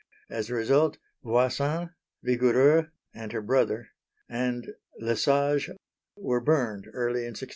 As a result Voisin, Vigoureux and her brother, and Le Sage were burned early in 1680.